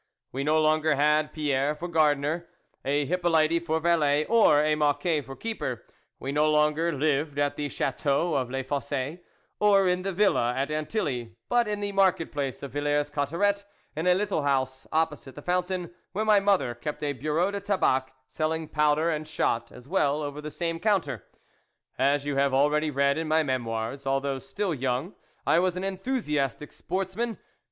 We no longer had a Pierre for garden er, a Hippolyte for valet, or a Mocquet for keeper ; we no longer lived at the Chateau of Les Fosses or in the villa at Antilly, but in the market place of Villers Cotterets, in a little house opposite the fountain, where my mother kept a bureau de tabac, selling powder and shot as well over the same counter. As xpu have already read in my Me moires" although still young, I was an enthusiastic sportsman.